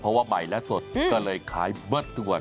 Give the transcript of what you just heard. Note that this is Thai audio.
เพราะว่าใหม่และสดก็เลยขายเบิร์ดทุกวัน